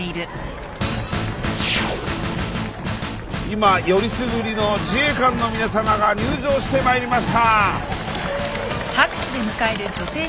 今よりすぐりの自衛官の皆さまが入場してまいりました。